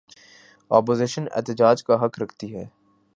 Opposition احتجاج کا حق رکھتی ہے۔